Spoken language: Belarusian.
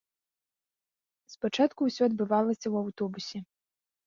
Спачатку ўсё адбывалася ў аўтобусе.